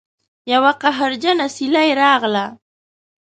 یوه قهرجنه سیلۍ راغله